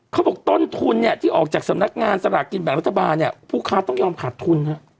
เขาบอกต้นทุนเนี่ยที่ออกจากสำนักงานสลากกินแบ่งรัฐบาลเนี่ยผู้ค้าต้องยอมขาดทุนฮะ